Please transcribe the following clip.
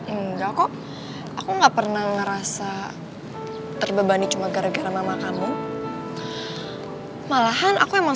enggak kok aku aku nggak pernah ngerasa terbebani cuma gara gara mama kamu malahan aku emang